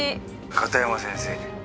「片山先生」